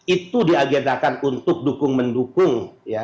itu di agendakan untuk dukung menduduk